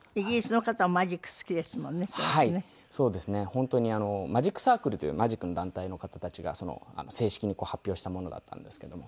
本当にＭａｇｉｃＣｉｒｃｌｅというマジックの団体の方たちが正式に発表したものだったんですけども。